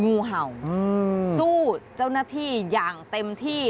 งูเห่าสู้เจ้าหน้าที่อย่างเต็มที่